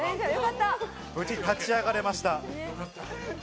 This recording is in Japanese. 無事立ち上がれました。